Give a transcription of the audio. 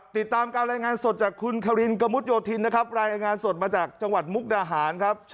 ติดตามการรายงานสดจากคุณคลินกระมุดโยธินนะครับ